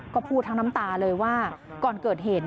ก็พูดทั้งน้ำตาเลยว่าก่อนเกิดเหตุ